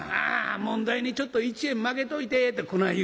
紋代にちょっと１円まけといて』ってこない